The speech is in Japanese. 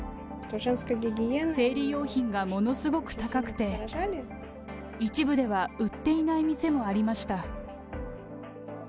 生理用品がものすごく高くて、一部では売っていない店もありました。